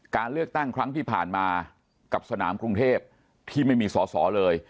การเลือกตั้งครั้งที่ผ่านมากับสนามกรุงเทพที่ไม่มีสอสอเลย